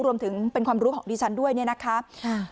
รวมถึงเป็นความรู้ของดิฉันด้วยนะครับ